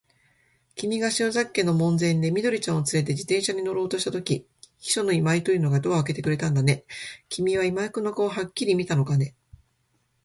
きみが篠崎家の門前で、緑ちゃんをつれて自動車に乗ろうとしたとき、秘書の今井というのがドアをあけてくれたんだね。きみは今井君の顔をはっきり見たのかね。